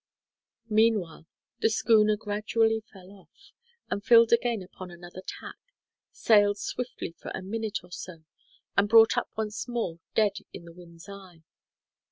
Meanwhile, the schooner gradually fell off, and filled again upon another tack, sailed swiftly for a minute or so, and brought up once more dead in the wind's eye.